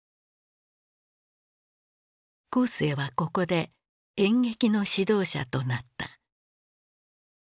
江青はここで演劇の指導者となった。